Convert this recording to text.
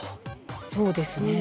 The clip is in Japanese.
◆そうですね。